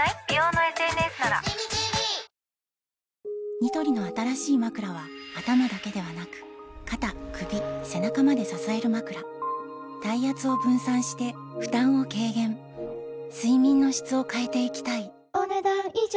ニトリの新しいまくらは頭だけではなく肩・首・背中まで支えるまくら体圧を分散して負担を軽減睡眠の質を変えていきたいお、ねだん以上。